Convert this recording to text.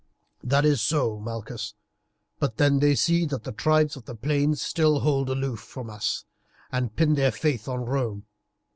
"That is so, Malchus, but then they see that the tribes of the plains still hold aloof from us and pin their faith on Rome.